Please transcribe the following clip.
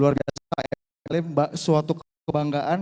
luar biasa ya ini suatu kebanggaan